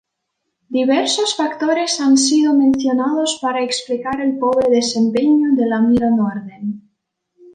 Diversos factores han sido mencionados para explicar el pobre desempeño de la mira Norden.